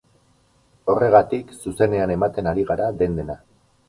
Horregatik, zuzenean ematen ari gara den-dena.